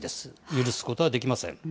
許すことはできません。